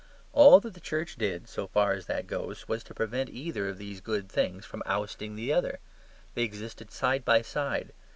All that the Church did (so far as that goes) was to prevent either of these good things from ousting the other. They existed side by side.